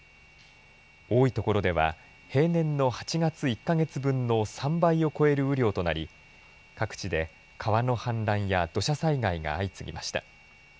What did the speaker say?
多い所では平年の８月１か月分の３倍を超える雨量となり各地で川の氾濫や土砂災害が相次ぎました。